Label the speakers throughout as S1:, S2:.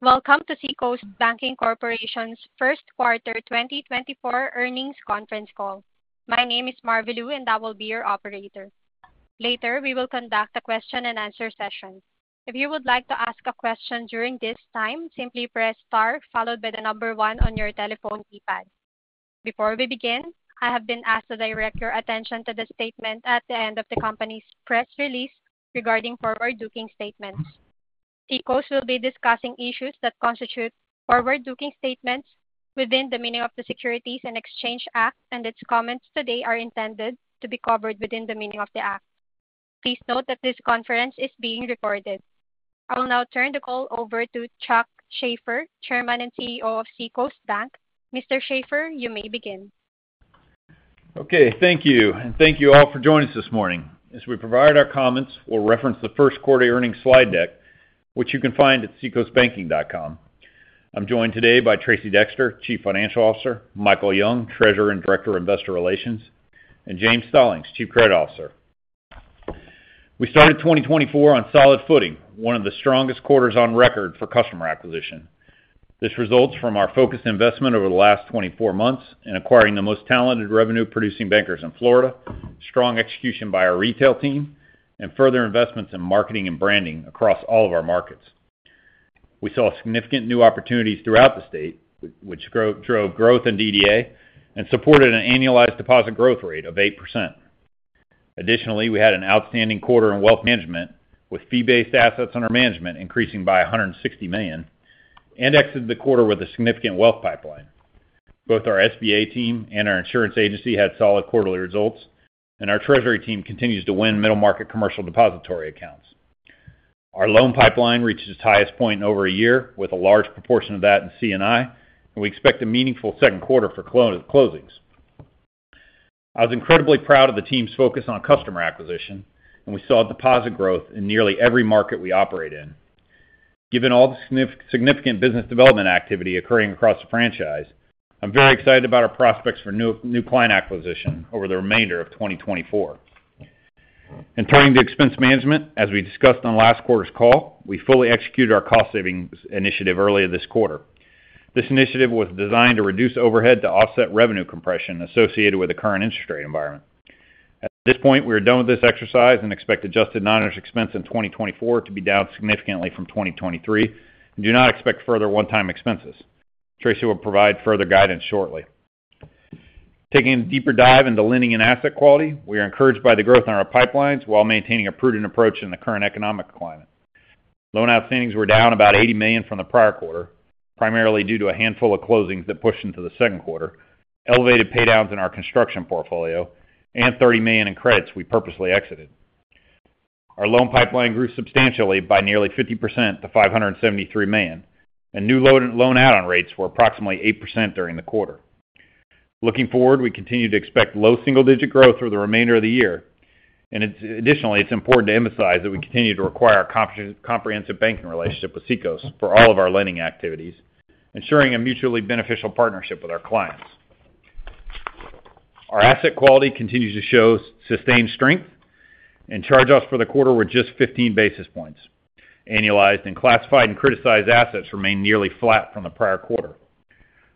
S1: Welcome to Seacoast Banking Corporation's first quarter 2024 earnings conference call. My name is Marilu, and I will be your operator. Later, we will conduct a question-and-answer session. If you would like to ask a question during this time, simply press * followed by the number 1 on your telephone keypad. Before we begin, I have been asked to direct your attention to the statement at the end of the company's press release regarding forward-looking statements. Seacoast will be discussing issues that constitute forward-looking statements within the meaning of the Securities and Exchange Act, and its comments today are intended to be covered within the meaning of the act. Please note that this conference is being recorded. I will now turn the call over to Chuck Shaffer, Chairman and CEO of Seacoast Bank. Mr. Shaffer, you may begin.
S2: Okay, thank you, and thank you all for joining us this morning. As we provided our comments, we'll reference the first quarter earnings slide deck, which you can find at seacoastbanking.com. I'm joined today by Tracey Dexter, Chief Financial Officer, Michael Young, Treasurer and Director of Investor Relations, and James Stallings, Chief Credit Officer. We started 2024 on solid footing, one of the strongest quarters on record for customer acquisition. This results from our focused investment over the last 24 months in acquiring the most talented revenue-producing bankers in Florida, strong execution by our retail team, and further investments in marketing and branding across all of our markets. We saw significant new opportunities throughout the state, which drove growth and DDA and supported an annualized deposit growth rate of 8%. Additionally, we had an outstanding quarter in wealth management, with fee-based assets under management increasing by $160 million, ending the quarter with a significant wealth pipeline. Both our SBA team and our insurance agency had solid quarterly results, and our treasury team continues to win middle-market commercial depository accounts. Our loan pipeline reached its highest point in over a year, with a large proportion of that in C&I, and we expect a meaningful second quarter for closings. I was incredibly proud of the team's focus on customer acquisition, and we saw deposit growth in nearly every market we operate in. Given all the significant business development activity occurring across the franchise, I'm very excited about our prospects for new client acquisition over the remainder of 2024. In turning to expense management, as we discussed on last quarter's call, we fully executed our cost-saving initiative earlier this quarter. This initiative was designed to reduce overhead to offset revenue compression associated with the current interest rate environment. At this point, we are done with this exercise and expect adjusted non-interest expense in 2024 to be down significantly from 2023, and do not expect further one-time expenses. Tracey will provide further guidance shortly. Taking a deeper dive into lending and asset quality, we are encouraged by the growth in our pipelines while maintaining a prudent approach in the current economic climate. Loan outstandings were down about $80 million from the prior quarter, primarily due to a handful of closings that pushed into the second quarter, elevated paydowns in our construction portfolio, and $30 million in credits we purposely exited. Our loan pipeline grew substantially by nearly 50% to $573 million, and new loan add-on rates were approximately 8% during the quarter. Looking forward, we continue to expect low single-digit growth for the remainder of the year, and additionally, it's important to emphasize that we continue to require a comprehensive banking relationship with Seacoast for all of our lending activities, ensuring a mutually beneficial partnership with our clients. Our asset quality continues to show sustained strength and charge-offs for the quarter with just 15 basis points. Annualized and classified and criticized assets remain nearly flat from the prior quarter.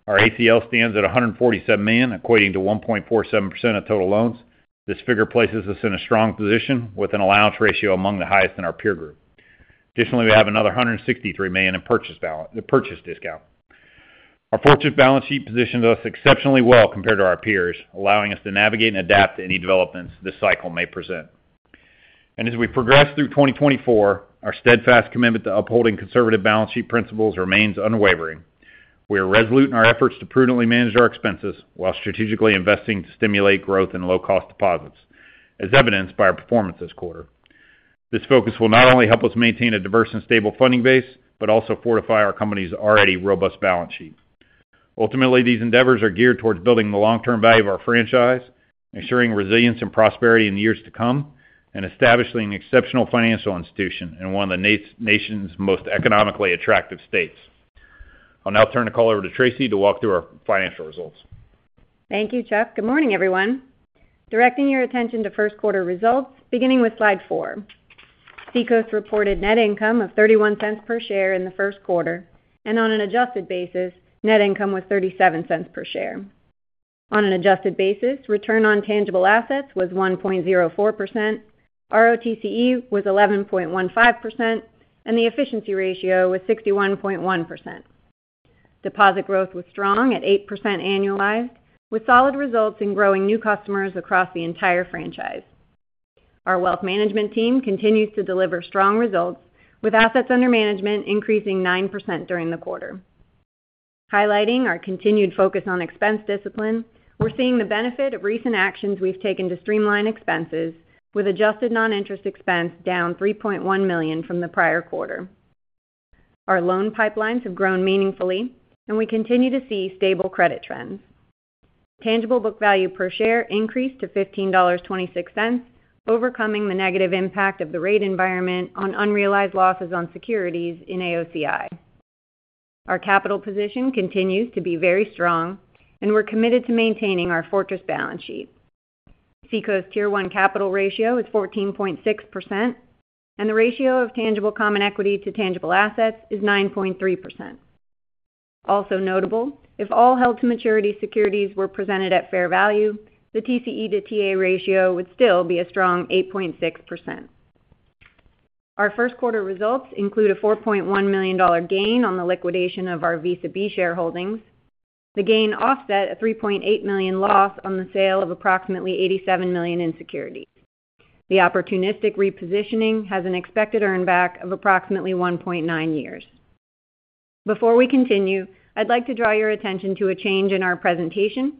S2: Our ACL stands at $147 million, equating to 1.47% of total loans. This figure places us in a strong position with an allowance ratio among the highest in our peer group. Additionally, we have another $163 million in purchase discount. Our fortress balance sheet positions us exceptionally well compared to our peers, allowing us to navigate and adapt to any developments this cycle may present. As we progress through 2024, our steadfast commitment to upholding conservative balance sheet principles remains unwavering. We are resolute in our efforts to prudently manage our expenses while strategically investing to stimulate growth in low-cost deposits, as evidenced by our performance this quarter. This focus will not only help us maintain a diverse and stable funding base but also fortify our company's already robust balance sheet. Ultimately, these endeavors are geared towards building the long-term value of our franchise, ensuring resilience and prosperity in the years to come, and establishing an exceptional financial institution in one of the nation's most economically attractive states. I'll now turn the call over to Tracey to walk through our financial results.
S3: Thank you, Chuck. Good morning, everyone. Directing your attention to first quarter results, beginning with Slide 4. Seacoast reported net income of $0.31 per share in the first quarter, and on an adjusted basis, net income was $0.37 per share. On an adjusted basis, return on tangible assets was 1.04%, ROTCE was 11.15%, and the efficiency ratio was 61.1%. Deposit growth was strong at 8% annualized, with solid results in growing new customers across the entire franchise. Our wealth management team continues to deliver strong results, with assets under management increasing 9% during the quarter. Highlighting our continued focus on expense discipline, we're seeing the benefit of recent actions we've taken to streamline expenses, with adjusted non-interest expense down $3.1 million from the prior quarter. Our loan pipelines have grown meaningfully, and we continue to see stable credit trends. Tangible book value per share increased to $15.26, overcoming the negative impact of the rate environment on unrealized losses on securities in AOCI. Our capital position continues to be very strong, and we're committed to maintaining our fortress balance sheet. Seacoast Tier 1 capital ratio is 14.6%, and the ratio of tangible common equity to tangible assets is 9.3%. Also notable, if all held-to-maturity securities were presented at fair value, the TCE to TA ratio would still be a strong 8.6%. Our first quarter results include a $4.1 million gain on the liquidation of our Visa Class B shareholdings. The gain offset a $3.8 million loss on the sale of approximately $87 million in securities. The opportunistic repositioning has an expected earnback of approximately 1.9 years. Before we continue, I'd like to draw your attention to a change in our presentation.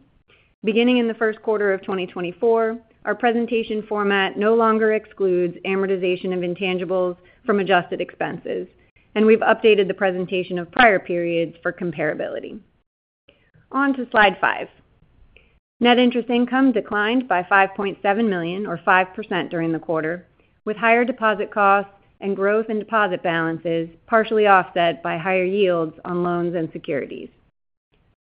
S3: Beginning in the first quarter of 2024, our presentation format no longer excludes amortization of intangibles from adjusted expenses, and we've updated the presentation of prior periods for comparability. On to Slide 5. Net interest income declined by $5.7 million, or 5%, during the quarter, with higher deposit costs and growth in deposit balances partially offset by higher yields on loans and securities.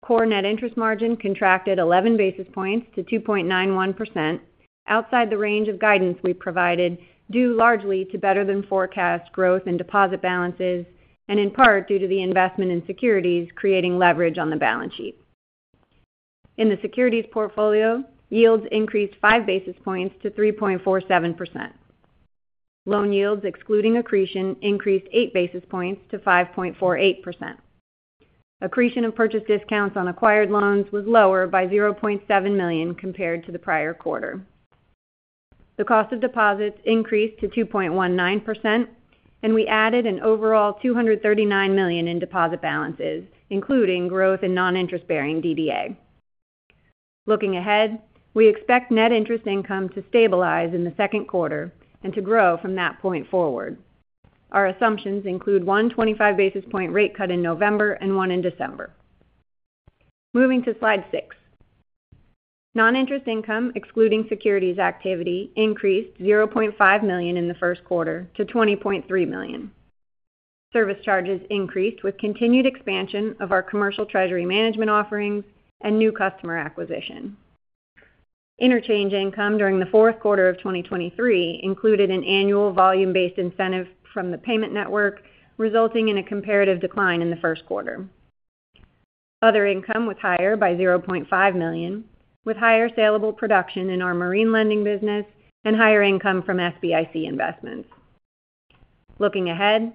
S3: Core net interest margin contracted 11 basis points to 2.91%, outside the range of guidance we provided, due largely to better-than-forecast growth in deposit balances and in part due to the investment in securities creating leverage on the balance sheet. In the securities portfolio, yields increased 5 basis points to 3.47%. Loan yields, excluding accretion, increased 8 basis points to 5.48%. Accretion of purchase discounts on acquired loans was lower by $0.7 million compared to the prior quarter. The cost of deposits increased to 2.19%, and we added an overall $239 million in deposit balances, including growth in non-interest-bearing DDA. Looking ahead, we expect net interest income to stabilize in the second quarter and to grow from that point forward. Our assumptions include one 25-basis-point rate cut in November and one in December. Moving to Slide 6. Non-interest income, excluding securities activity, increased $0.5 million in the first quarter to $20.3 million. Service charges increased with continued expansion of our commercial treasury management offerings and new customer acquisition. Interchange income during the fourth quarter of 2023 included an annual volume-based incentive from the payment network, resulting in a comparative decline in the first quarter. Other income was higher by $0.5 million, with higher saleable production in our marine lending business and higher income from SBIC investments. Looking ahead,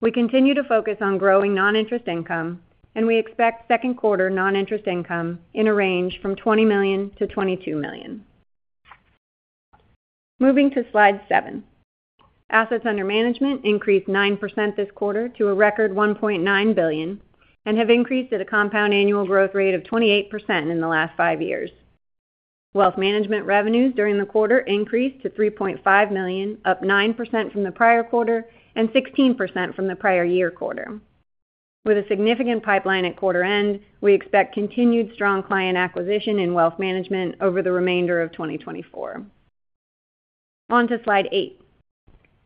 S3: we continue to focus on growing non-interest income, and we expect second quarter non-interest income in a range from $20 million-$22 million. Moving to Slide 7. Assets under management increased 9% this quarter to a record $1.9 billion and have increased at a compound annual growth rate of 28% in the last five years. Wealth management revenues during the quarter increased to $3.5 million, up 9% from the prior quarter and 16% from the prior year quarter. With a significant pipeline at quarter end, we expect continued strong client acquisition in wealth management over the remainder of 2024. On to Slide 8.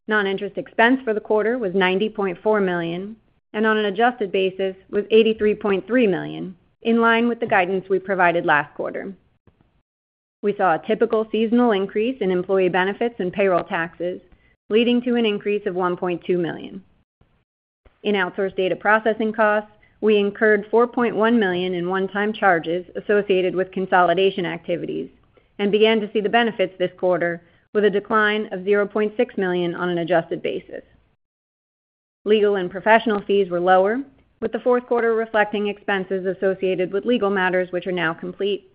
S3: Non-interest expense for the quarter was $90.4 million, and on an adjusted basis was $83.3 million, in line with the guidance we provided last quarter. We saw a typical seasonal increase in employee benefits and payroll taxes, leading to an increase of $1.2 million. In outsourced data processing costs, we incurred $4.1 million in one-time charges associated with consolidation activities and began to see the benefits this quarter, with a decline of $0.6 million on an adjusted basis. Legal and professional fees were lower, with the fourth quarter reflecting expenses associated with legal matters which are now complete.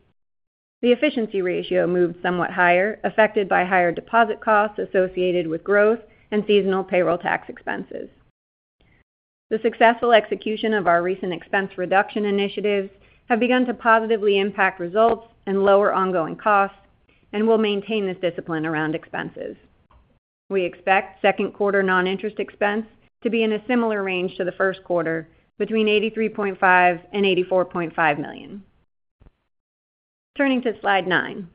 S3: The efficiency ratio moved somewhat higher, affected by higher deposit costs associated with growth and seasonal payroll tax expenses. The successful execution of our recent expense reduction initiatives has begun to positively impact results and lower ongoing costs, and we'll maintain this discipline around expenses. We expect second quarter non-interest expense to be in a similar range to the first quarter, between $83.5 and $84.5 million. Turning to Slide 9.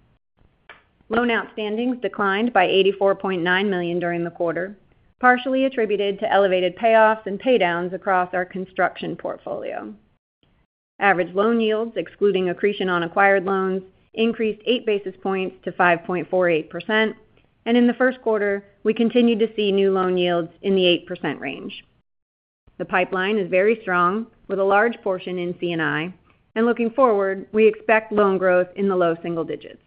S3: Loan outstandings declined by $84.9 million during the quarter, partially attributed to elevated payoffs and paydowns across our construction portfolio. Average loan yields, excluding accretion on acquired loans, increased 8 basis points to 5.48%, and in the first quarter, we continue to see new loan yields in the 8% range. The pipeline is very strong, with a large portion in C&I, and looking forward, we expect loan growth in the low single digits.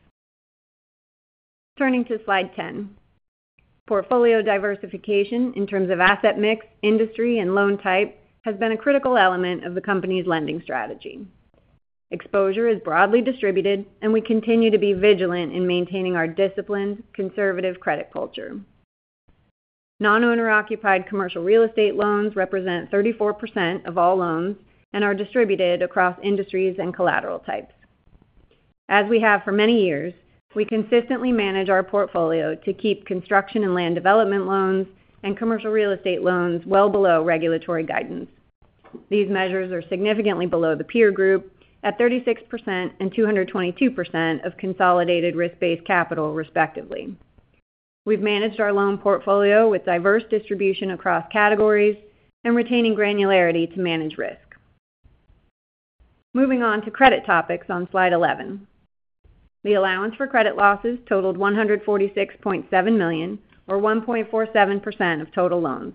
S3: Turning to Slide 10. Portfolio diversification in terms of asset mix, industry, and loan type has been a critical element of the company's lending strategy. Exposure is broadly distributed, and we continue to be vigilant in maintaining our disciplined, conservative credit culture. Non-owner-occupied commercial real estate loans represent 34% of all loans and are distributed across industries and collateral types. As we have for many years, we consistently manage our portfolio to keep construction and land development loans and commercial real estate loans well below regulatory guidance. These measures are significantly below the peer group at 36% and 222% of consolidated risk-based capital, respectively. We've managed our loan portfolio with diverse distribution across categories and retaining granularity to manage risk. Moving on to credit topics on Slide 11. The allowance for credit losses totaled $146.7 million, or 1.47% of total loans,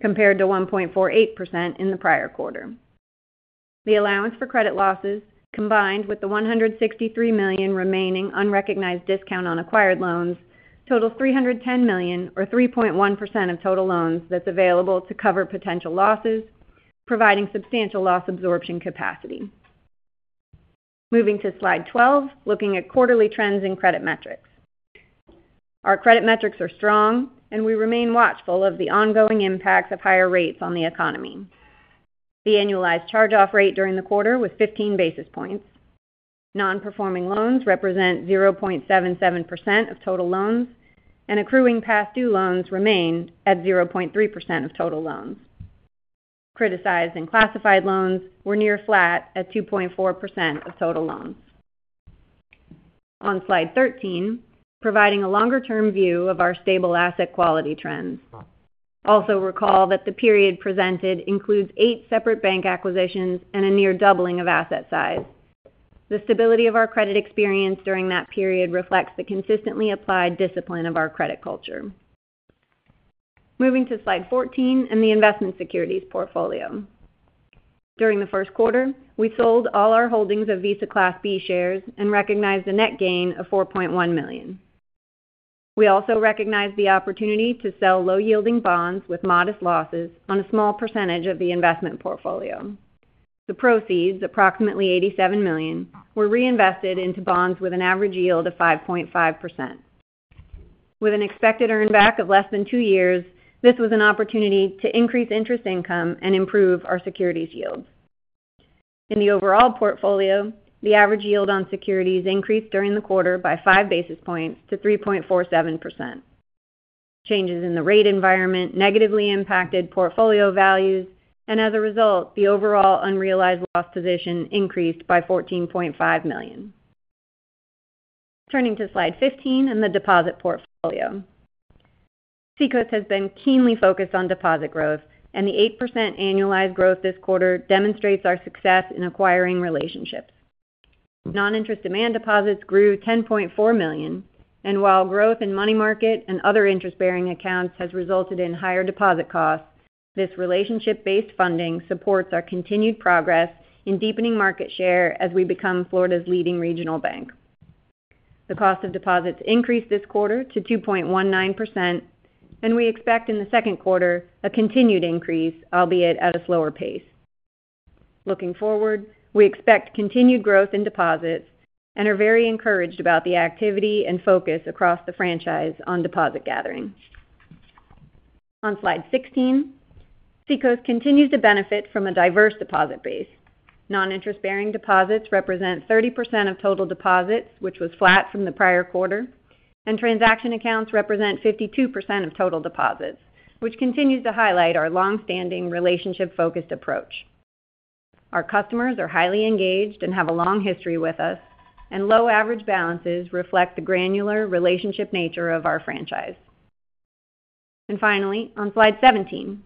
S3: compared to 1.48% in the prior quarter. The allowance for credit losses, combined with the $163 million remaining unrecognized discount on acquired loans, totaled $310 million, or 3.1% of total loans, that's available to cover potential losses, providing substantial loss absorption capacity. Moving to Slide 12, looking at quarterly trends in credit metrics. Our credit metrics are strong, and we remain watchful of the ongoing impacts of higher rates on the economy. The annualized charge-off rate during the quarter was 15 basis points. Non-performing loans represent 0.77% of total loans, and accruing past-due loans remain at 0.3% of total loans. Criticized and classified loans were near flat at 2.4% of total loans. On Slide 13, providing a longer-term view of our stable asset quality trends. Also, recall that the period presented includes eight separate bank acquisitions and a near doubling of asset size. The stability of our credit experience during that period reflects the consistently applied discipline of our credit culture. Moving to Slide 14 and the investment securities portfolio. During the first quarter, we sold all our holdings of Visa Class B shares and recognized a net gain of $4.1 million. We also recognized the opportunity to sell low-yielding bonds with modest losses on a small percentage of the investment portfolio. The proceeds, approximately $87 million, were reinvested into bonds with an average yield of 5.5%. With an expected earnback of less than two years, this was an opportunity to increase interest income and improve our securities yields. In the overall portfolio, the average yield on securities increased during the quarter by 5 basis points to 3.47%. Changes in the rate environment negatively impacted portfolio values, and as a result, the overall unrealized loss position increased by $14.5 million. Turning to Slide 15 and the deposit portfolio. Seacoast has been keenly focused on deposit growth, and the 8% annualized growth this quarter demonstrates our success in acquiring relationships. Non-interest demand deposits grew $10.4 million, and while growth in money market and other interest-bearing accounts has resulted in higher deposit costs, this relationship-based funding supports our continued progress in deepening market share as we become Florida's leading regional bank. The cost of deposits increased this quarter to 2.19%, and we expect in the second quarter a continued increase, albeit at a slower pace. Looking forward, we expect continued growth in deposits and are very encouraged about the activity and focus across the franchise on deposit gathering. On Slide 16, Seacoast continues to benefit from a diverse deposit base. Non-interest-bearing deposits represent 30% of total deposits, which was flat from the prior quarter, and transaction accounts represent 52% of total deposits, which continues to highlight our longstanding relationship-focused approach. Our customers are highly engaged and have a long history with us, and low average balances reflect the granular relationship nature of our franchise. And finally, on Slide 17,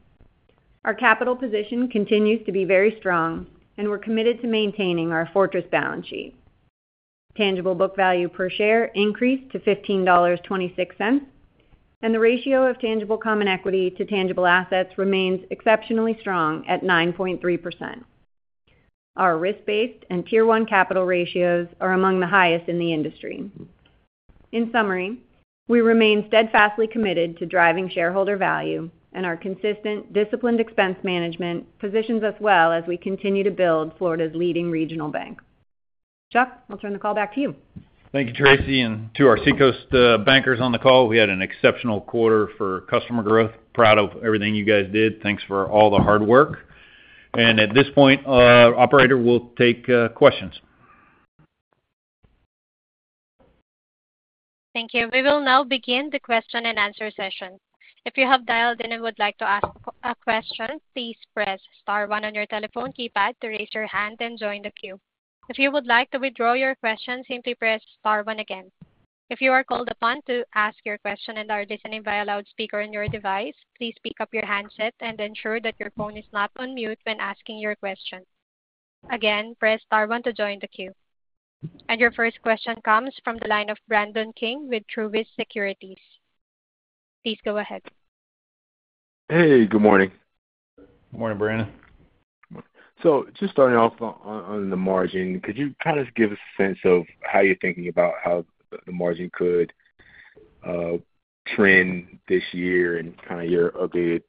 S3: our capital position continues to be very strong, and we're committed to maintaining our fortress balance sheet. Tangible book value per share increased to $15.26, and the ratio of tangible common equity to tangible assets remains exceptionally strong at 9.3%. Our risk-based and Tier 1 capital ratios are among the highest in the industry. In summary, we remain steadfastly committed to driving shareholder value, and our consistent, disciplined expense management positions us well as we continue to build Florida's leading regional bank. Chuck, I'll turn the call back to you.
S2: Thank you, Tracey, and to our Seacoast bankers on the call. We had an exceptional quarter for customer growth. Proud of everything you guys did. Thanks for all the hard work. And at this point, operator, we'll take questions.
S1: Thank you. We will now begin the question and answer session. If you have dialed in and would like to ask a question, please press star one on your telephone keypad to raise your hand and join the queue. If you would like to withdraw your question, simply press star one again. If you are called upon to ask your question and are listening via loudspeaker on your device, please pick up your handset and ensure that your phone is not on mute when asking your question. Again, press star one to join the queue. Your first question comes from the line of Brandon King with Truist Securities. Please go ahead.
S4: Hey, good morning.
S2: Good morning, Brandon.
S4: So just starting off on the margin, could you kind of give us a sense of how you're thinking about how the margin could trend this year and kind of your updated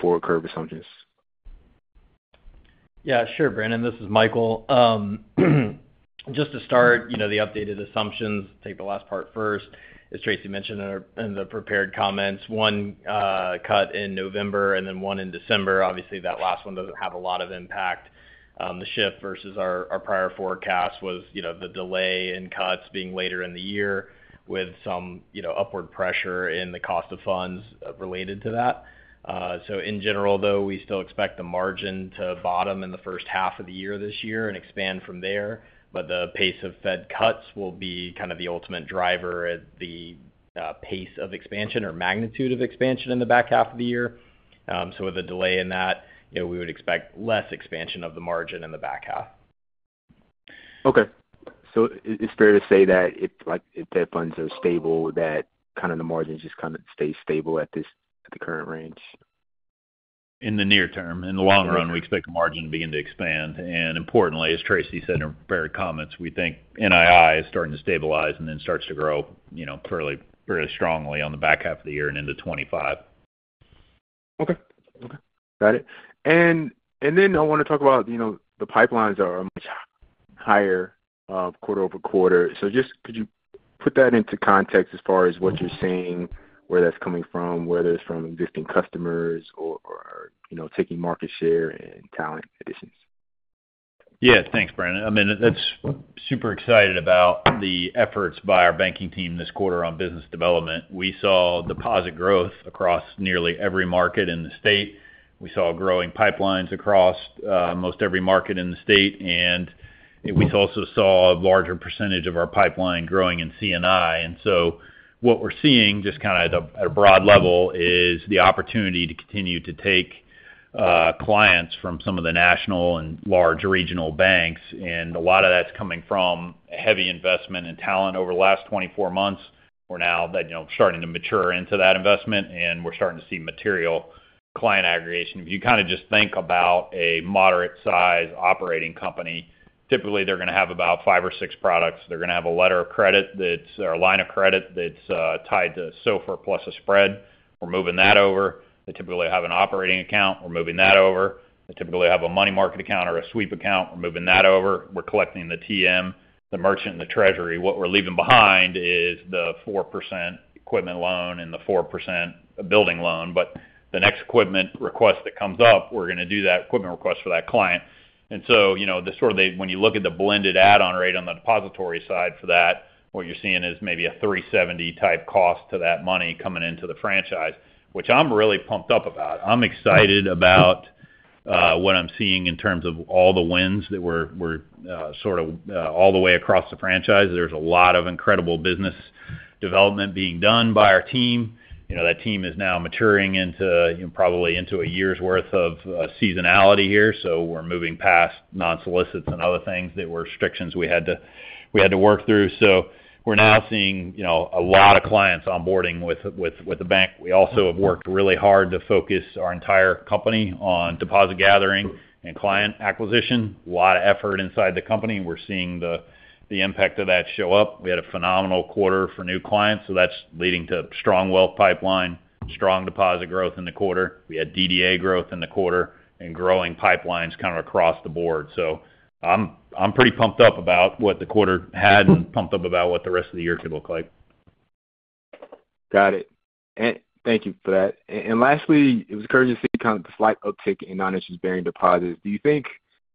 S4: forward curve assumptions?
S5: Yeah, sure, Brandon. This is Michael. Just to start, the updated assumptions. Take the last part first, as Tracey mentioned in the prepared comments: one cut in November and then one in December. Obviously, that last one doesn't have a lot of impact. The shift versus our prior forecast was the delay in cuts being later in the year with some upward pressure in the cost of funds related to that. So in general, though, we still expect the margin to bottom in the first half of the year this year and expand from there. But the pace of Fed cuts will be kind of the ultimate driver at the pace of expansion or magnitude of expansion in the back half of the year. So with a delay in that, we would expect less expansion of the margin in the back half.
S4: Okay. So it's fair to say that if Fed funds are stable, that kind of the margin just kind of stays stable at the current range?
S5: In the near term. In the long run, we expect the margin to begin to expand. And importantly, as Tracey said in her prior comments, we think NII is starting to stabilize and then starts to grow fairly strongly on the back half of the year and into 2025.
S4: Okay. Okay. Got it. And then I want to talk about the pipelines are much higher quarter-over-quarter. So just could you put that into context as far as what you're seeing, where that's coming from, whether it's from existing customers or taking market share and talent additions?
S5: Yeah, thanks, Brandon. I mean, that's super excited about the efforts by our banking team this quarter on business development. We saw deposit growth across nearly every market in the state. We saw growing pipelines across most every market in the state. We also saw a larger percentage of our pipeline growing in C&I. So what we're seeing just kind of at a broad level is the opportunity to continue to take clients from some of the national and large regional banks. A lot of that's coming from heavy investment in talent over the last 24 months. We're now starting to mature into that investment, and we're starting to see material client aggregation. If you kind of just think about a moderate-sized operating company, typically, they're going to have about five or six products. They're going to have a letter of credit or line of credit that's tied to SOFR plus a spread. We're moving that over. They typically have an operating account. We're moving that over. They typically have a money market account or a sweep account. We're moving that over. We're collecting the TM, the merchant, and the treasury. What we're leaving behind is the 4% equipment loan and the 4% building loan. But the next equipment request that comes up, we're going to do that equipment request for that client. And so sort of when you look at the blended add-on rate on the depository side for that, what you're seeing is maybe a 370-type cost to that money coming into the franchise, which I'm really pumped up about. I'm excited about what I'm seeing in terms of all the wins that we're sort of all the way across the franchise. There's a lot of incredible business development being done by our team. That team is now maturing probably into a year's worth of seasonality here. So we're moving past non-solicits and other things that were restrictions we had to work through. So we're now seeing a lot of clients onboarding with the bank. We also have worked really hard to focus our entire company on deposit gathering and client acquisition, a lot of effort inside the company. We're seeing the impact of that show up. We had a phenomenal quarter for new clients. So that's leading to strong wealth pipeline, strong deposit growth in the quarter. We had DDA growth in the quarter and growing pipelines kind of across the board. So I'm pretty pumped up about what the quarter had and pumped up about what the rest of the year could look like.
S4: Got it. Thank you for that. And lastly, it was encouraging to see kind of the slight uptick in non-interest-bearing deposits. Do you think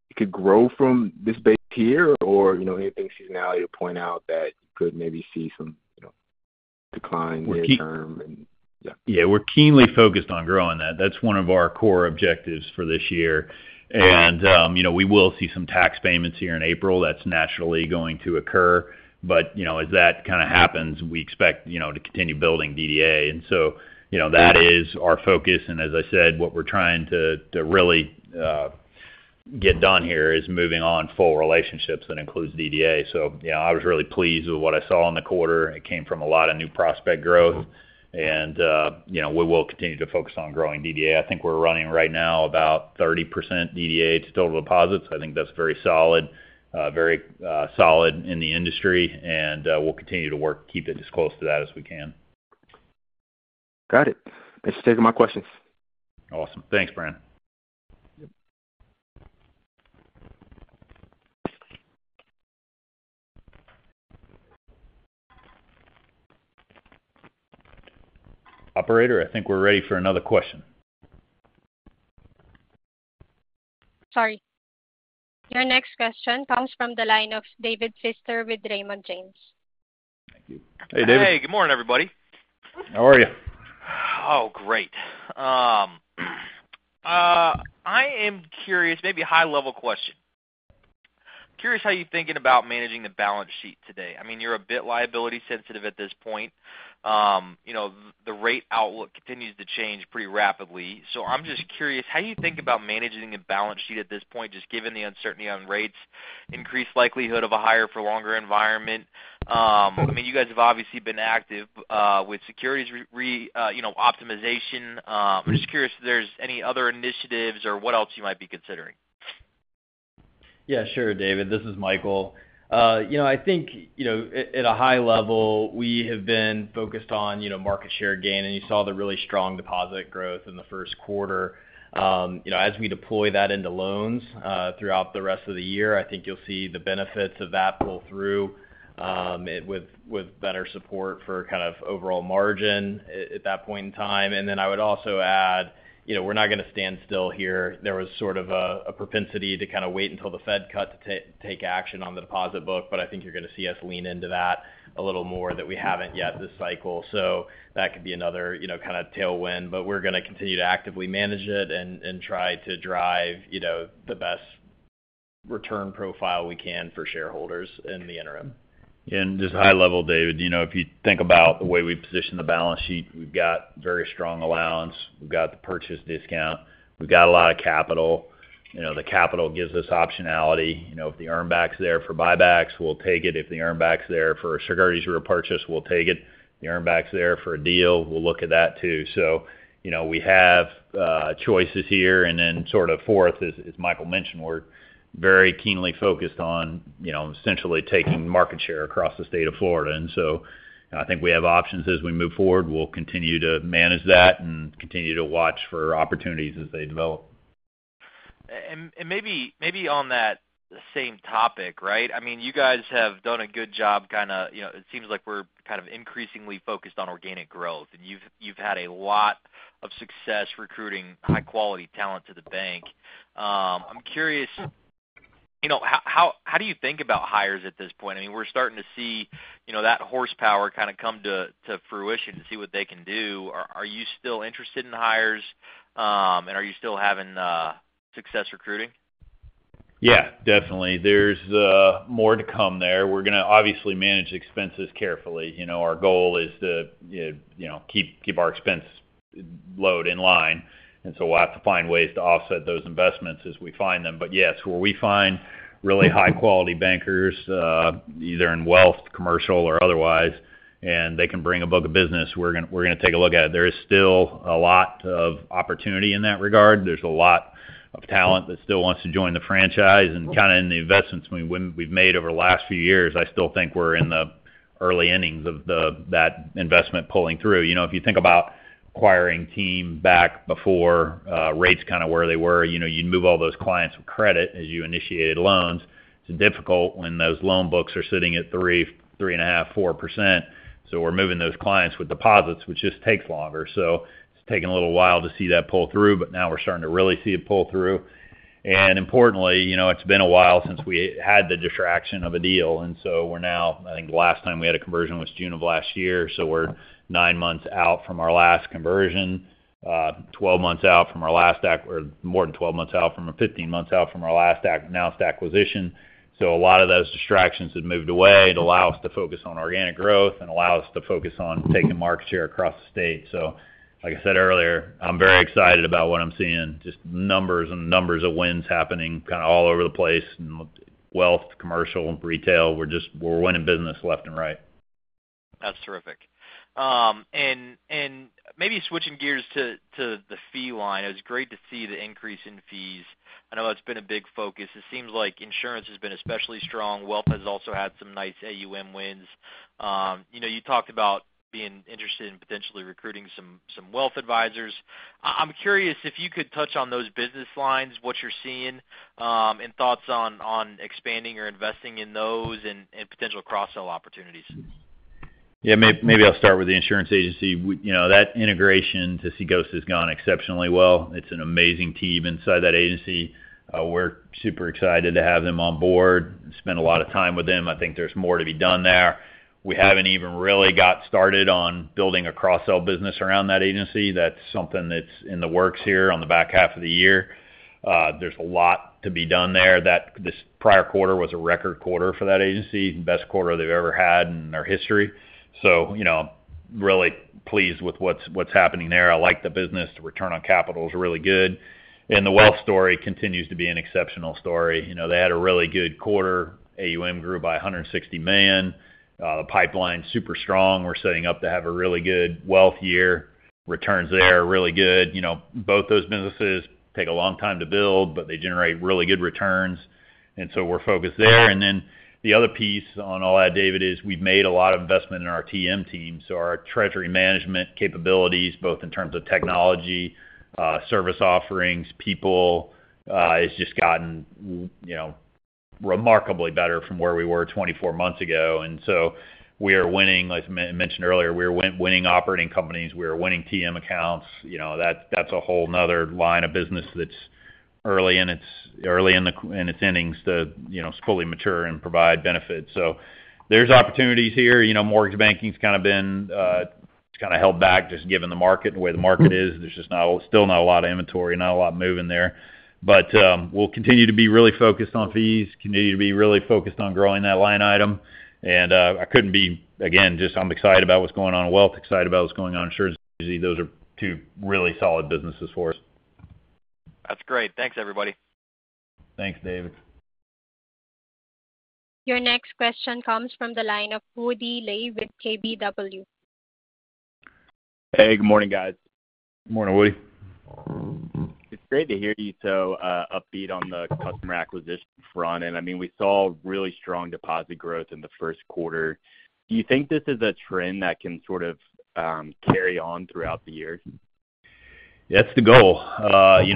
S4: it could grow from this base here, or any seasonality to point out that you could maybe see some decline near term?
S5: Yeah. We're keenly focused on growing that. That's one of our core objectives for this year. We will see some tax payments here in April. That's naturally going to occur. But as that kind of happens, we expect to continue building DDA. So that is our focus. As I said, what we're trying to really get done here is moving on full relationships that includes DDA. So I was really pleased with what I saw in the quarter. It came from a lot of new prospect growth. We will continue to focus on growing DDA. I think we're running right now about 30% DDA to total deposits. I think that's very solid, very solid in the industry. We'll continue to work, keep it as close to that as we can.
S4: Got it. Thanks for taking my questions.
S5: Awesome. Thanks, Brandon.
S2: Operator, I think we're ready for another question.
S1: Sorry. Your next question comes from the line of David Feaster with Raymond James. Thank you.
S2: Hey, David.
S6: Hey, good morning, everybody.
S2: How are you?
S6: Oh, great. I am curious, maybe a high-level question. Curious how you're thinking about managing the balance sheet today. I mean, you're a bit liability-sensitive at this point. The rate outlook continues to change pretty rapidly. So I'm just curious how you think about managing the balance sheet at this point, just given the uncertainty on rates, increased likelihood of a higher-for-longer environment. I mean, you guys have obviously been active with securities reoptimization. I'm just curious if there's any other initiatives or what else you might be considering.
S5: Yeah, sure, David. This is Michael. I think at a high level, we have been focused on market share gain. And you saw the really strong deposit growth in the first quarter. As we deploy that into loans throughout the rest of the year, I think you'll see the benefits of that pull through with better support for kind of overall margin at that point in time. And then I would also add, we're not going to stand still here. There was sort of a propensity to kind of wait until the Fed cut to take action on the deposit book. But I think you're going to see us lean into that a little more that we haven't yet this cycle. So that could be another kind of tailwind. But we're going to continue to actively manage it and try to drive the best return profile we can for shareholders in the interim.
S2: And just high level, David, if you think about the way we position the balance sheet, we've got very strong allowance. We've got the purchase discount. We've got a lot of capital. The capital gives us optionality. If the earnback's there for buybacks, we'll take it. If the earnback's there for a securities repurchase, we'll take it. If the earnback's there for a deal, we'll look at that too. So we have choices here. And then sort of fourth, as Michael mentioned, we're very keenly focused on essentially taking market share across the state of Florida. And so I think we have options as we move forward. We'll continue to manage that and continue to watch for opportunities as they develop.
S6: And maybe on that same topic, right, I mean, you guys have done a good job kind of it seems like we're kind of increasingly focused on organic growth. You've had a lot of success recruiting high-quality talent to the bank. I'm curious, how do you think about hires at this point? I mean, we're starting to see that horsepower kind of come to fruition to see what they can do. Are you still interested in hires? Are you still having success recruiting?
S2: Yeah, definitely. There's more to come there. We're going to obviously manage expenses carefully. Our goal is to keep our expense load in line. And so we'll have to find ways to offset those investments as we find them. But yes, where we find really high-quality bankers, either in wealth, commercial, or otherwise, and they can bring a book of business, we're going to take a look at it. There is still a lot of opportunity in that regard. There's a lot of talent that still wants to join the franchise. Kind of in the investments we've made over the last few years, I still think we're in the early innings of that investment pulling through. If you think about acquiring team back before rates kind of where they were, you'd move all those clients with credit as you initiated loans. It's difficult when those loan books are sitting at 3, 3.5, 4%. So we're moving those clients with deposits, which just takes longer. So it's taken a little while to see that pull through. But now we're starting to really see it pull through. And importantly, it's been a while since we had the distraction of a deal. And so we're now, I think the last time we had a conversion was June of last year. So we're 9 months out from our last conversion, 12 months out from our last or more than 12 months out from a 15 months out from our last new acquisition. So a lot of those distractions have moved away and allow us to focus on organic growth and allow us to focus on taking market share across the state. So like I said earlier, I'm very excited about what I'm seeing, just numbers and numbers of wins happening kind of all over the place, wealth, commercial, retail. We're winning business left and right.
S6: That's terrific. And maybe switching gears to the fee line, it was great to see the increase in fees. I know that's been a big focus. It seems like insurance has been especially strong. Wealth has also had some nice AUM wins. You talked about being interested in potentially recruiting some wealth advisors. I'm curious if you could touch on those business lines, what you're seeing, and thoughts on expanding or investing in those and potential cross-sell opportunities.
S5: Yeah, maybe I'll start with the insurance agency. That integration to Seacoast has gone exceptionally well. It's an amazing team inside that agency. We're super excited to have them on board and spend a lot of time with them. I think there's more to be done there. We haven't even really got started on building a cross-sell business around that agency. That's something that's in the works here on the back half of the year. There's a lot to be done there. This prior quarter was a record quarter for that agency, best quarter they've ever had in their history. So I'm really pleased with what's happening there. I like the business. The return on capital is really good. And the wealth story continues to be an exceptional story. They had a really good quarter. AUM grew by $160 million. The pipeline, super strong. We're setting up to have a really good wealth year. Returns there, really good. Both those businesses take a long time to build, but they generate really good returns. And so we're focused there. And then the other piece on all that, David, is we've made a lot of investment in our TM team. So our treasury management capabilities, both in terms of technology, service offerings, people, has just gotten remarkably better from where we were 24 months ago. And so we are winning, as I mentioned earlier, we are winning operating companies. We are winning TM accounts. That's a whole nother line of business that's early in its innings to fully mature and provide benefits. So there's opportunities here. Mortgage banking's kind of been kind of held back just given the market and the way the market is. There's just still not a lot of inventory, not a lot moving there. But we'll continue to be really focused on fees, continue to be really focused on growing that line item. And I couldn't be, again, just I'm excited about what's going on with wealth, excited about what's going on with insurance. Those are two really solid businesses for us.
S6: That's great. Thanks, everybody.
S2: Thanks, David.
S1: Your next question comes from the line of Woody Lay with KBW.
S7: Hey, good morning, guys.
S2: Good morning, Woody.
S7: It's great to hear you so upbeat on the customer acquisition front. And I mean, we saw really strong deposit growth in the first quarter. Do you think this is a trend that can sort of carry on throughout the year?
S5: That's the goal.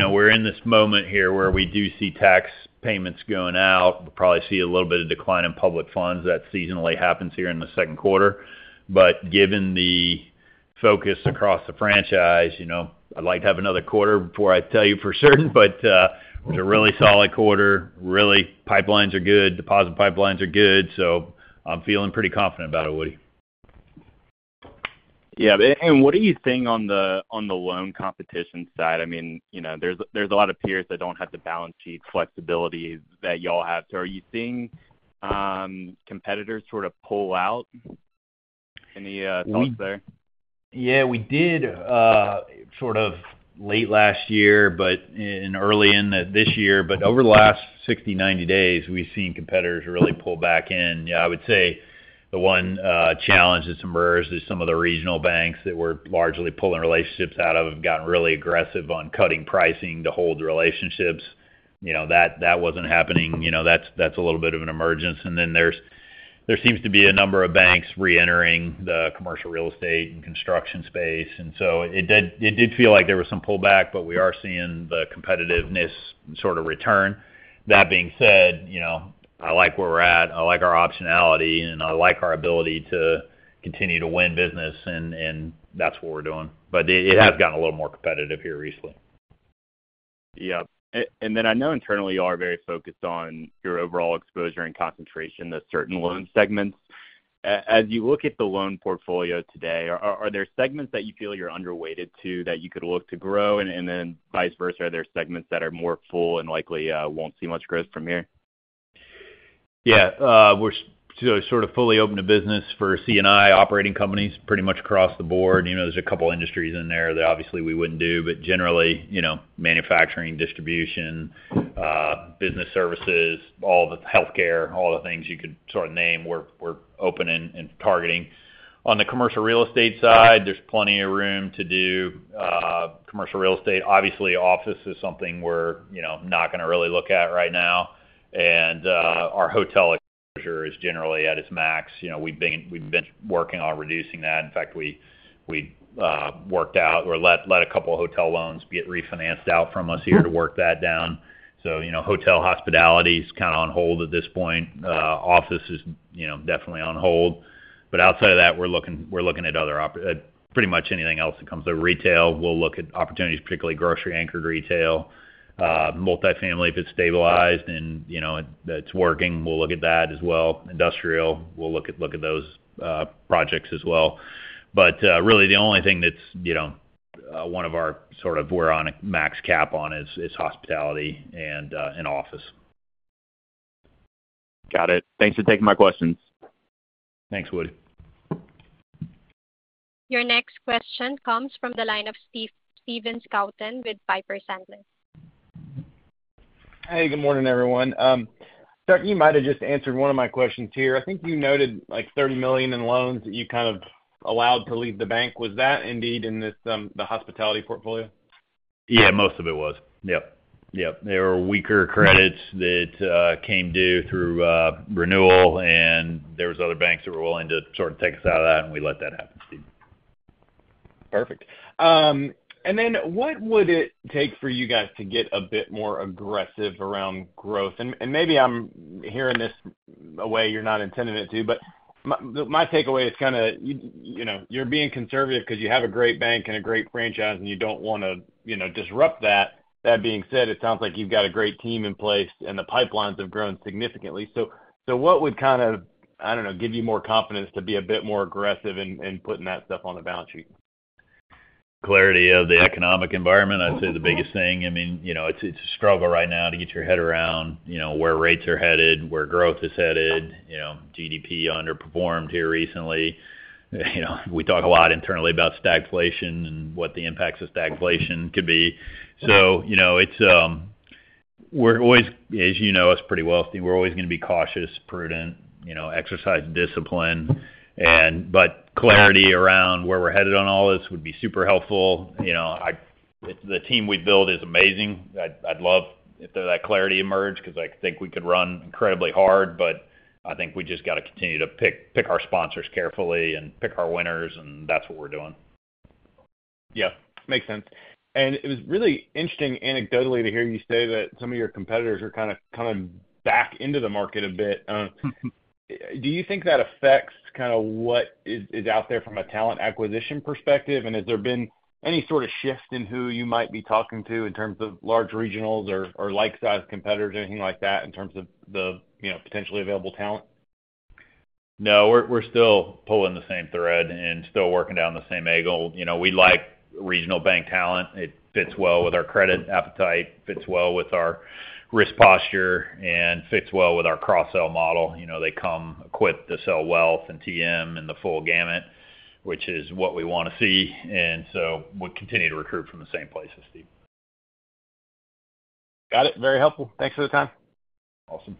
S5: We're in this moment here where we do see tax payments going out. We'll probably see a little bit of decline in public funds. That seasonally happens here in the second quarter. But given the focus across the franchise, I'd like to have another quarter before I tell you for certain. But it was a really solid quarter. Really, pipelines are good. Deposit pipelines are good. So I'm feeling pretty confident about it, Woody.
S7: Yeah. And what are you seeing on the loan competition side? I mean, there's a lot of peers that don't have the balance sheet flexibility that y'all have. So are you seeing competitors sort of pull out? Any thoughts there?
S2: Yeah, we did sort of late last year and early in this year. But over the last 60-90 days, we've seen competitors really pull back in. Yeah, I would say the one challenge that's emerged is some of the regional banks that we're largely pulling relationships out of have gotten really aggressive on cutting pricing to hold relationships. That wasn't happening. That's a little bit of an emergence. And then there seems to be a number of banks reentering the commercial real estate and construction space. And so it did feel like there was some pullback, but we are seeing the competitiveness sort of return. That being said, I like where we're at. I like our optionality. And I like our ability to continue to win business. And that's what we're doing. But it has gotten a little more competitive here recently.
S7: Yep. And then I know internally you are very focused on your overall exposure and concentration to certain loan segments. As you look at the loan portfolio today, are there segments that you feel you're underweighted to that you could look to grow? And then vice versa, are there segments that are more full and likely won't see much growth from here?
S2: Yeah. We're sort of fully open to business for C&I operating companies pretty much across the board. There's a couple of industries in there that obviously we wouldn't do. But generally, manufacturing, distribution, business services, all the healthcare, all the things you could sort of name, we're open and targeting. On the commercial real estate side, there's plenty of room to do commercial real estate. Obviously, office is something we're not going to really look at right now. And our hotel exposure is generally at its max. We've been working on reducing that. In fact, we worked out or let a couple of hotel loans get refinanced out from us here to work that down. So hotel hospitality is kind of on hold at this point. Office is definitely on hold. But outside of that, we're looking at pretty much anything else that comes through retail. We'll look at opportunities, particularly grocery-anchored retail. Multifamily, if it's stabilized and it's working, we'll look at that as well. Industrial, we'll look at those projects as well. But really, the only thing that's one of our sort of we're on a max cap on is hospitality and office.
S7: Got it. Thanks for taking my questions.
S2: Thanks, Woody.
S1: Your next question comes from the line of Stephen Scouten with Piper Sandler.
S8: Hey, good morning, everyone. Chuck, you might have just answered one of my questions here. I think you noted $30 million in loans that you kind of allowed to leave the bank. Was that indeed in the hospitality portfolio?
S2: Yeah, most of it was. Yep. Yep. There were weaker credits that came due through renewal. There was other banks that were willing to sort of take us out of that. We let that happen, Steve.
S8: Perfect. Then what would it take for you guys to get a bit more aggressive around growth? Maybe I'm hearing this a way you're not intending it to. My takeaway is kind of you're being conservative because you have a great bank and a great franchise, and you don't want to disrupt that. That being said, it sounds like you've got a great team in place, and the pipelines have grown significantly. So what would kind of, I don't know, give you more confidence to be a bit more aggressive in putting that stuff on the balance sheet?
S2: Clarity of the economic environment, I'd say the biggest thing. I mean, it's a struggle right now to get your head around where rates are headed, where growth is headed, GDP underperformed here recently. We talk a lot internally about stagflation and what the impacts of stagflation could be. So we're always, as you know us pretty well, Steve, we're always going to be cautious, prudent, exercise discipline. But clarity around where we're headed on all this would be super helpful. The team we've built is amazing. I'd love if that clarity emerged because I think we could run incredibly hard. But I think we just got to continue to pick our sponsors carefully and pick our winners. And that's what we're doing.
S8: Yeah, makes sense. And it was really interesting anecdotally to hear you say that some of your competitors are kind of coming back into the market a bit. Do you think that affects kind of what is out there from a talent acquisition perspective? And has there been any sort of shift in who you might be talking to in terms of large regionals or like-sized competitors, anything like that in terms of the potentially available talent?
S2: No, we're still pulling the same thread and still working down the same angle. We like regional bank talent. It fits well with our credit appetite, fits well with our risk posture, and fits well with our cross-sell model. They come equipped to sell wealth and TM and the full gamut, which is what we want to see. And so we'll continue to recruit from the same places, Steve.
S8: Got it. Very helpful. Thanks for the time.
S2: Awesome.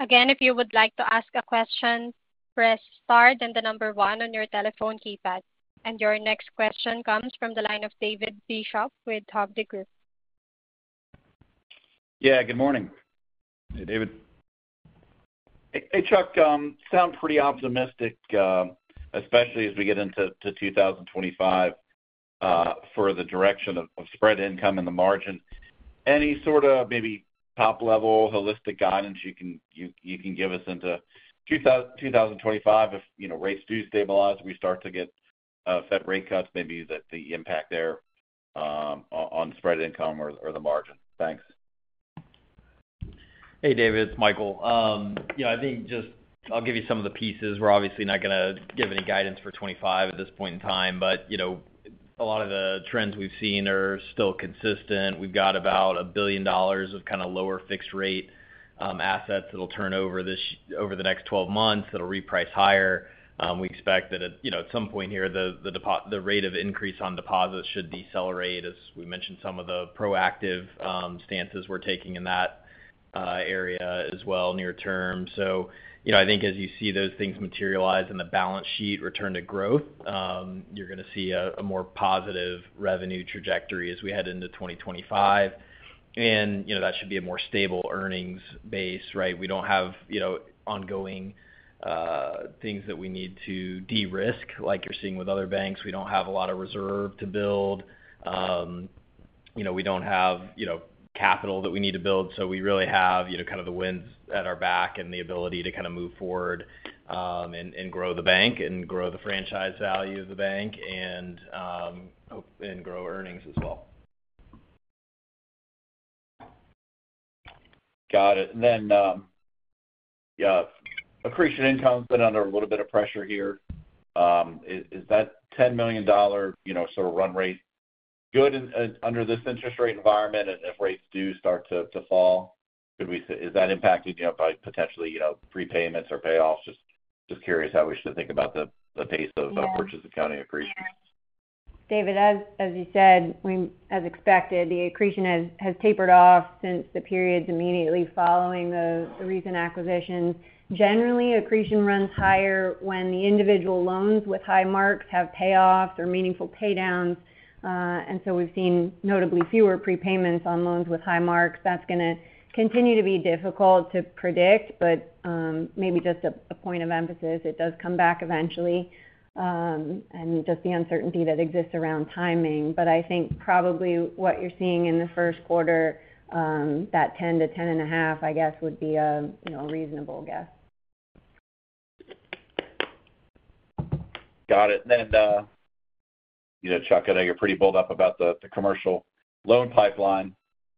S1: Again, if you would like to ask a question, press star and the number one on your telephone keypad. And your next question comes from the line of David Bishop with Hovde Group.
S9: Yeah, good morning.
S2: Hey, David.
S9: Hey, Chuck, sound pretty optimistic, especially as we get into 2025 for the direction of spread income and the margin. Any sort of maybe top-level holistic guidance you can give us into 2025 if rates do stabilize, we start to get Fed rate cuts, maybe the impact there on spread income or the margin? Thanks.
S5: Hey, David. It's Michael. I think just I'll give you some of the pieces. We're obviously not going to give any guidance for 2025 at this point in time. But a lot of the trends we've seen are still consistent. We've got about $1 billion of kind of lower fixed-rate assets that'll turn over over the next 12 months that'll reprice higher. We expect that at some point here, the rate of increase on deposits should decelerate, as we mentioned, some of the proactive stances we're taking in that area as well near term. So I think as you see those things materialize in the balance sheet return to growth, you're going to see a more positive revenue trajectory as we head into 2025. And that should be a more stable earnings base, right? We don't have ongoing things that we need to de-risk. Like you're seeing with other banks, we don't have a lot of reserve to build. We don't have capital that we need to build. So we really have kind of the winds at our back and the ability to kind of move forward and grow the bank and grow the franchise value of the bank and grow earnings as well.
S9: Got it. And then, yeah, accretion income's been under a little bit of pressure here. Is that $10 million sort of run rate good under this interest rate environment? And if rates do start to fall, is that impacted by potentially prepayments or payoffs? Just curious how we should think about the pace of purchase accounting accretion.
S3: David, as you said, as expected, the accretion has tapered off since the periods immediately following the recent acquisitions. Generally, accretion runs higher when the individual loans with high marks have payoffs or meaningful paydowns. And so we've seen notably fewer prepayments on loans with high marks. That's going to continue to be difficult to predict. But maybe just a point of emphasis, it does come back eventually and just the uncertainty that exists around timing. But I think probably what you're seeing in the first quarter, that 10-10.5, I guess, would be a reasonable guess.
S9: Got it. And Chuck, I know you're pretty bullish about the commercial loan pipeline.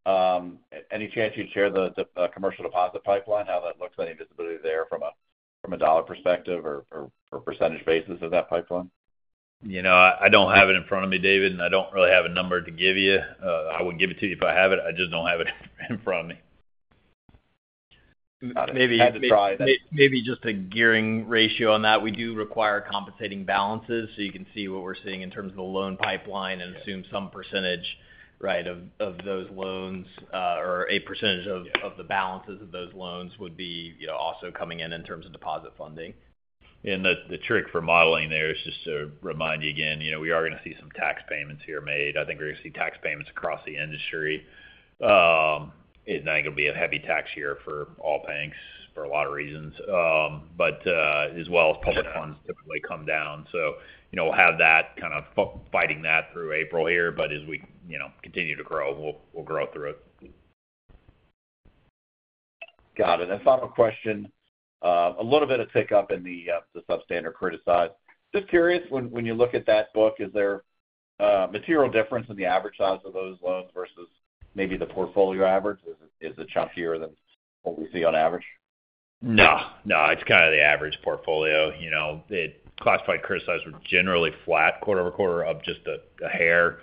S9: Any chance you'd share the commercial deposit pipeline, how that looks, any visibility there from a dollar perspective or percentage basis of that pipeline?
S2: I don't have it in front of me, David. And I don't really have a number to give you. I would give it to you if I have it. I just don't have it in front of me.
S5: Maybe you could try that. Maybe just a gearing ratio on that. We do require compensating balances. So you can see what we're seeing in terms of the loan pipeline and assume some percentage, right, of those loans or a percentage of the balances of those loans would be also coming in in terms of deposit funding. And the trick for modeling there is just to remind you again, we are going to see some tax payments here made. I think we're going to see tax payments across the industry. It's not going to be a heavy tax year for all banks for a lot of reasons, as well as public funds typically come down. So we'll have that kind of fighting that through April here. But as we continue to grow, we'll grow through it.
S9: Got it. And final question, a little bit of pickup in the substandard criticized. Just curious, when you look at that book, is there material difference in the average size of those loans versus maybe the portfolio average? Is it chunkier than what we see on average?
S5: No, no. It's kind of the average portfolio. The classified criticized were generally flat quarter-over-quarter, up just a hair.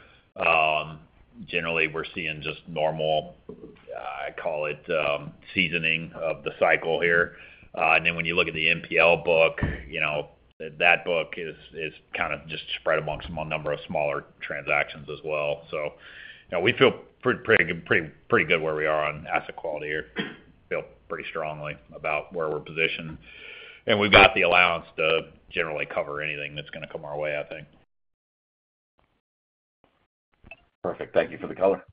S5: Generally, we're seeing just normal, I call it, seasoning of the cycle here. And then when you look at the NPL book, that book is kind of just spread amongst a number of smaller transactions as well. So we feel pretty good where we are on asset quality here. Feel pretty strongly about where we're positioned. And we've got the allowance to generally cover anything that's going to come our way, I think.
S9: Perfect. Thank you for the color.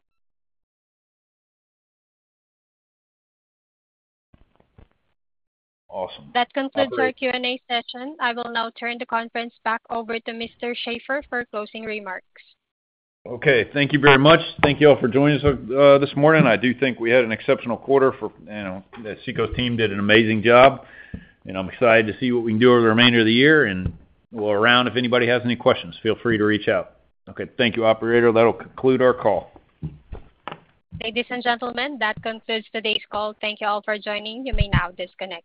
S5: Awesome.
S1: That concludes our Q&A session. I will now turn the conference back over to Mr. Shaffer for closing remarks.
S2: Okay. Thank you very much. Thank you all for joining us this morning. I do think we had an exceptional quarter. The Seacoast team did an amazing job. And I'm excited to see what we can do over the remainder of the year. And we'll be around if anybody has any questions, feel free to reach out. Okay. Thank you, operator. That'll conclude our call.
S1: Ladies and gentlemen, that concludes today's call. Thank you all for joining. You may now disconnect.